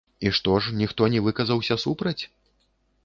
І што ж, ніхто не выказаўся супраць?